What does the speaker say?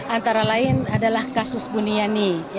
antara lain adalah kasus buniani